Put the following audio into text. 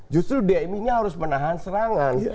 justru dm ini harus menahan serangan